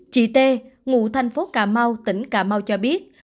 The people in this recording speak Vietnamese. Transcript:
chị t ngụ thành phố cà mau tỉnh cà mau cho biết